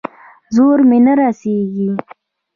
زور مې نه رسېږي.